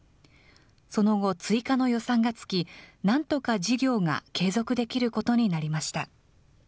その後、追加の予算がつき、なんとか事業が継続できることになりました。